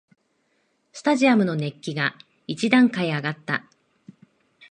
スタジアムの熱気が一段階あがった